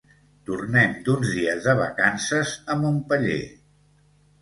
Tornem d'uns dies de vacances a Montpeller.